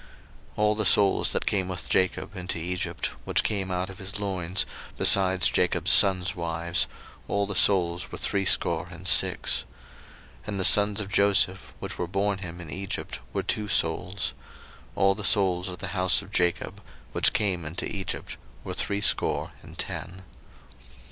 01:046:026 All the souls that came with Jacob into Egypt, which came out of his loins, besides Jacob's sons' wives, all the souls were threescore and six; 01:046:027 And the sons of Joseph, which were born him in Egypt, were two souls: all the souls of the house of Jacob, which came into Egypt, were threescore and ten.